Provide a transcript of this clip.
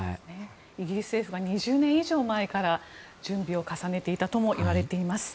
イギリス政府が２０年以上前から準備を重ねていたともいわれています。